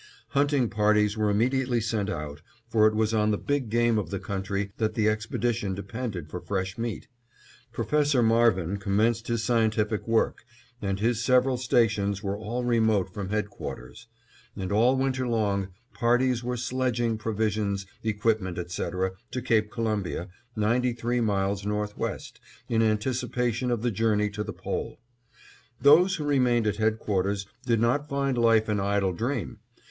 Hunting parties were immediately sent out, for it was on the big game of the country that the expedition depended for fresh meat. Professor Marvin commenced his scientific work, and his several stations were all remote from headquarters; and all winter long, parties were sledging provisions, equipment, etc., to Cape Columbia, ninety three miles northwest, in anticipation of the journey to the Pole. Those who remained at headquarters did not find life an idle dream.